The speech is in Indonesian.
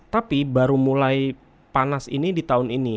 tapi baru mulai panas ini di tahun ini